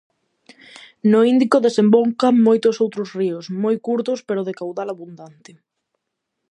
No Índico desembocan moitos outros ríos, moi curtos, pero de caudal abundante.